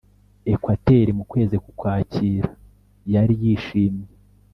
Ekwateri mu kwezi k Ukwakira Yari yishimye